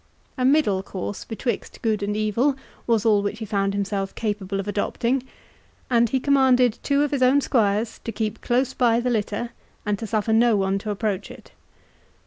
A middle course betwixt good and evil was all which he found himself capable of adopting, and he commanded two of his own squires to keep close by the litter, and to suffer no one to approach it.